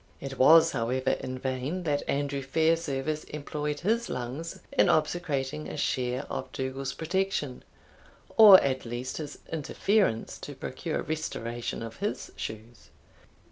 It was, however, in vain that Andrew Fairservice employed his lungs in obsecrating a share of Dougal's protection, or at least his interference to procure restoration of his shoes.